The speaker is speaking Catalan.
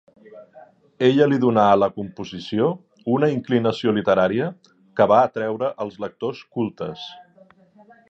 Ella li donà a la composició una inclinació literària que va atreure els lectors cultes.